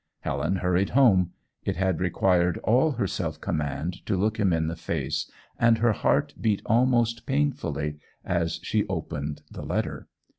Helen hurried home. It had required all her self command to look him in the face, and her heart beat almost painfully as she opened the letter.